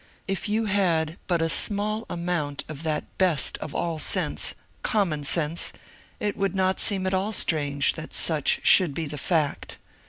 If you had but a small amoimt of that best of all sense — common sense — it would not seem at all strange that such should be the fact.